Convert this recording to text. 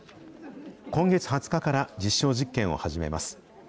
今月２０日から実証実験を始めます。